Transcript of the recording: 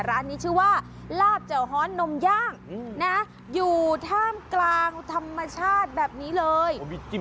ร้านนี้ชื่อว่าลาบเจ้าฮ้อนนมย่างนะอยู่ท่ามกลางธรรมชาติแบบนี้เลย